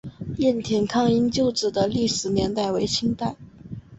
雁田抗英旧址的历史年代为清代。